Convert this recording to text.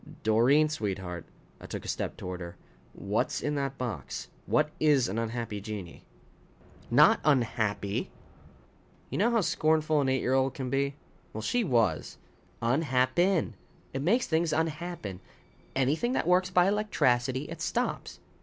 "Doreen, sweetheart " I took a step toward her "what's in that box? What is an unhappy genii?" "Not unhappy." You know how scornful an eight year old can be? Well, she was. "Unhap pen. It makes things unhappen. Anything that works by electracity, it stops.